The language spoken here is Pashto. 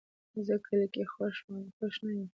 زه کلي کې خوښ نه یم